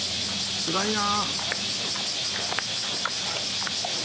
つらいな。